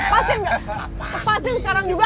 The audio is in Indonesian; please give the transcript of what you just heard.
lepasin sekarang juga